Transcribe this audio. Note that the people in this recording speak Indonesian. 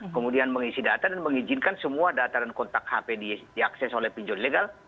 kemudian mengisi data dan mengizinkan semua data dan kontak hp diakses oleh pinjol ilegal